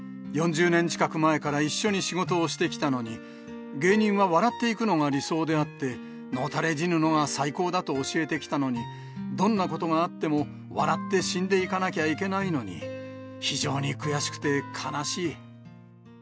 ４０年近く前から一緒に仕事をしてきたのに、芸人は笑って逝くのが理想であって、野たれ死ぬのが最高だと教えてきたのに、どんなことがあっても、笑って死んでいかなきゃいけないのに、非常に悔しくて悲しい。